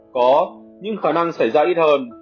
có nhưng khả năng xảy ra ít hơn